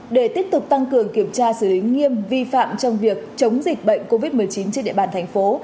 để tiếp tục tăng cường kiểm tra xử lý nghiêm vi phạm trong việc chống dịch bệnh covid một mươi chín trên địa bàn thành phố